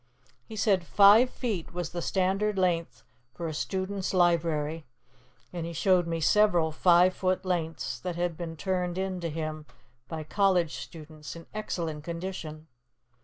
He said five feet was the standard length for a student's library, and he showed me several five foot lengths that had been turned in to him by college students in excellent condition.